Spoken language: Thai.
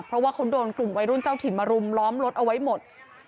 เพราะว่าเขาโดนกลุ่มวัยรุ่นเจ้าถิ่นมารุมล้อมรถเอาไว้หมด